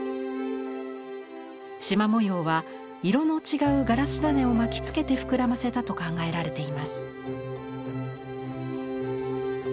しま模様は色の違うガラス種を巻きつけて膨らませたと考えられています。